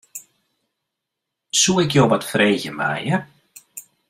Soe ik jo wat freegje meie?